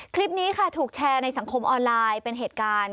คลิปนี้ค่ะถูกแชร์ในสังคมออนไลน์เป็นเหตุการณ์